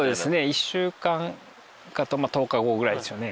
１週間か１０日後ぐらいですよね。